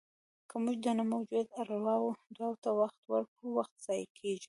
که موږ د نه موجودو ارواوو دعاوو ته وخت ورکړو، وخت ضایع کېږي.